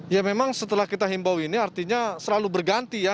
ya memang setelah kita himbau ini artinya selalu berganti ya